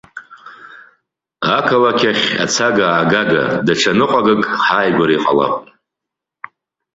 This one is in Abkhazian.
Ақалақь ахь ацага-аага, даҽа ныҟәагак, ҳааигәара иҟалап.